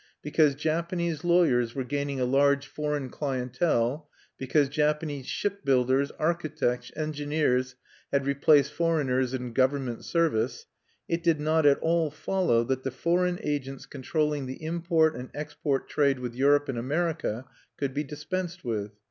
Because Japanese lawyers were gaining a large foreign clientele; because Japanese shipbuilders, architects, engineers had replaced foreigners in government service, it did not at all follow that the foreign agents controlling the import and export trade with Europe and America could be dispensed with.